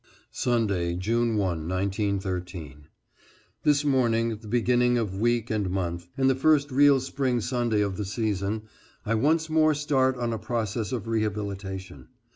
=, Sunday, June 1, 1913.= This morning, the beginning of week and month, and the first real spring Sunday of the season, I once more start on a process of rehabilitation.